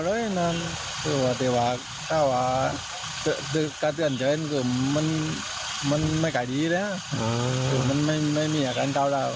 ก็เร่งอยากกันมานี่ก็เป็นร้านนี้ก็หนูอีก